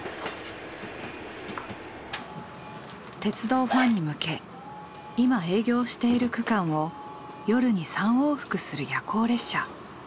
鉄道ファンに向け今営業している区間を夜に３往復する夜行列車。